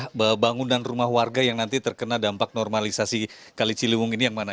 bagaimana bangunan rumah warga yang nanti terkena dampak normalisasi kali ciliwung ini yang mana